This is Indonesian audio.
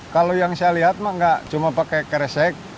kalau yang saya lihat mah enggak cuma pakai keresek